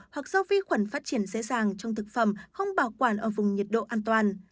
hoặc do vi khuẩn phát triển dễ dàng trong thực phẩm không bảo quản ở vùng nhiệt độ an toàn